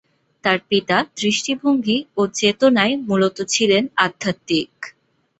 তাঁর পিতা দৃষ্টিভঙ্গি ও চেতনায় মূলত ছিলেন আধ্যাত্মিক।